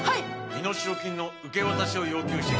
身代金の受け渡しを要求してきた。